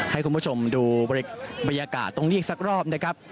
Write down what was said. ให้คุณผู้ชมดูบรรยากาศตรงนี้อีกสักรอบนะครับ